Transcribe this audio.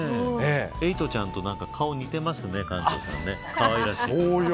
エイトちゃんと顔、似てますね、艦長さんかわいらしい。